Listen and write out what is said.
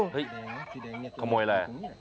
เฮ้ยขโมยอะไร